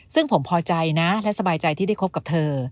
ซึ่งผมพอใจนะและสบายใจที่ได้คบกับเธอ